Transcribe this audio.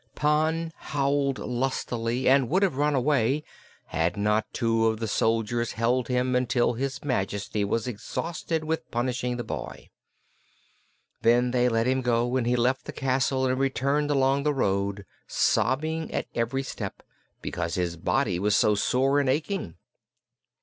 Pon howled lustily and would have run away had not two of the soldiers held him until his Majesty was exhausted with punishing the boy. Then they let him go and he left the castle and returned along the road, sobbing at every step because his body was so sore and aching.